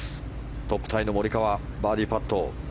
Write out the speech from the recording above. トップタイのモリカワバーディーパット。